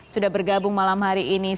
sudah bergabung malam hari ini